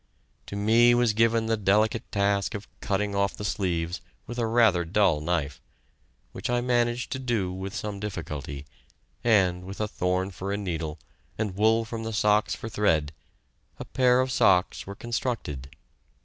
To me was given the delicate task of cutting off the sleeves with rather a dull knife, which I managed to do with some difficulty, and, with a thorn for a needle and wool from the socks for thread, a pair of socks were constructed.